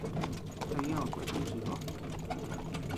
¿A ñeʼed kuetíchi ko?